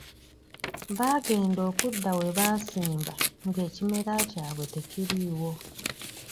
Baagenda okudda we baasimba ng'ekimera kyabwe tekiriiwo.